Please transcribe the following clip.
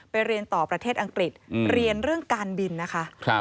เรียนต่อประเทศอังกฤษเรียนเรื่องการบินนะคะ